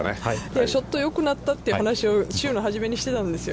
ショットよくなったと話を週の初めにしてたんですよ。